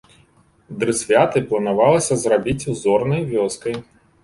Дрысвяты планавалася зрабіць узорнай вёскай.